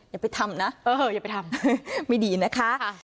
อย่าไปทำนะไม่ดีนะคะ